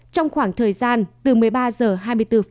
trong khoảng thời gian từ một mươi ba h hai mươi bốn